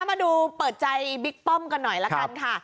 มาดูเปิดใจบิ๊กป้อมกันหน่อยละกันค่ะ